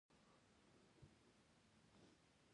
د افغانستان په منظره کې پابندي غرونه په ښکاره ښکاري.